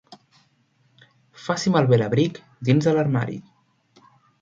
Faci malbé l'abric dins de l'armari.